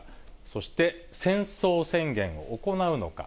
そして、戦争宣言を行うのか？